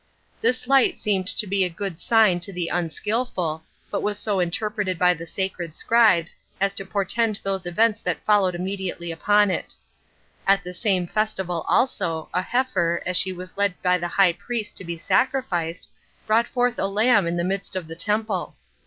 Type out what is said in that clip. This light seemed to be a good sign to the unskillful, but was so interpreted by the sacred scribes, as to portend those events that followed immediately upon it. At the same festival also, a heifer, as she was led by the high priest to be sacrificed, brought forth a lamb in the midst of the temple.